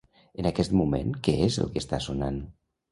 En aquest moment què és el que està sonant?